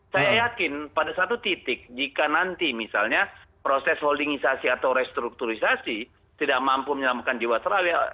saya yakin pada satu titik jika nanti misalnya proses holdingisasi atau restrukturisasi tidak mampu menyelamatkan jiwa australia